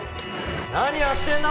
何やってんだ！？